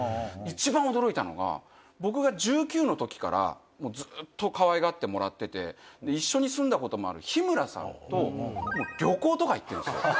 一番驚いたのが僕が１９の時からずっとかわいがってもらってて一緒に住んだこともある日村さんと旅行とか行ってるんすよ。